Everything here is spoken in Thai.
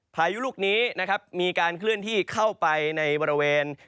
พายุลูกนี้นะครับมีการเคลื่อนที่เข้าไปในบริเวณ